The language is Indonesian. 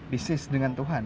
bisnis dengan tuhan